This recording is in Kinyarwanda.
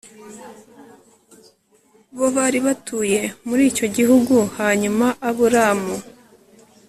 bo bari batuye muri icyo gihugu Hanyuma Aburamu